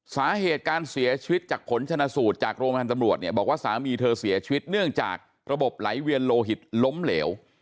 สาเหตุการเสียชีวิตจากผลชนะสูตรจากโรงพยาบาลตำรวจเนี่ยบอกว่าสามีเธอเสียชีวิตเนื่องจากระบบไหลเวียนโลหิตล้มเหลว